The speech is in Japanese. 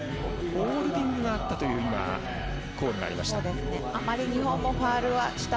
ホールディングがあったというコールがありました。